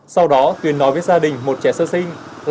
sau đó tuyền nói với gia đình một trẻ sơ sinh